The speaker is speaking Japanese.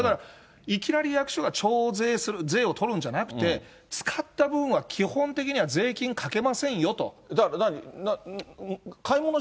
いきなり役所が徴税する、税を取るんじゃなくて、使った分は基本的には税金かけませんよと。